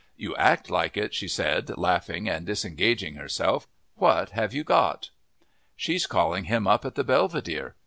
"You act like it," she said, laughing and disengaging herself. "What have you got?" "She's calling him up at the Belvedere!